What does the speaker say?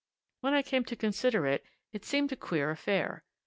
When I came to consider it, it seemed a queer affair.